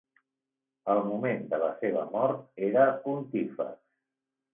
Al moment de la seva mort era pontífex.